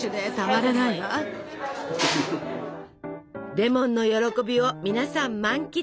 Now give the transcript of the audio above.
「レモンの歓び」を皆さん満喫！